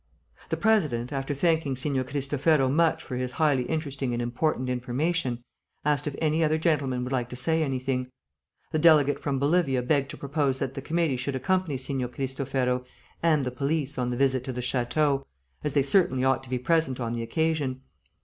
The President, after thanking Signor Cristofero much for his highly interesting and important information, asked if any other gentleman would like to say anything. The delegate from Bolivia begged to propose that the committee should accompany Signor Cristofero and the police on the visit to the château, as they certainly ought to be present on the occasion.